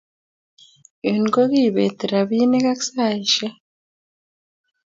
Yun ko kepeti rabinik ak saishek